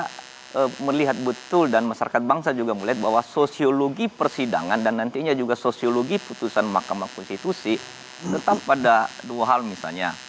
kita melihat betul dan masyarakat bangsa juga melihat bahwa sosiologi persidangan dan nantinya juga sosiologi putusan mahkamah konstitusi tetap pada dua hal misalnya